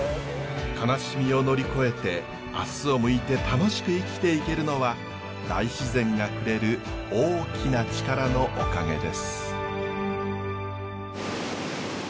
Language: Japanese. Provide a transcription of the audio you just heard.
悲しみを乗り越えて明日を向いて楽しく生きていけるのは大自然がくれる大きな力のおかげです。